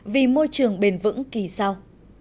vì môi trường bền vững kỳ sau